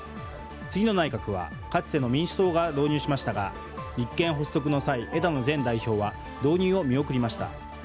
次の内閣はかつての民主党が導入しましたが立憲発足の際、枝野前代表は導入を見送りました。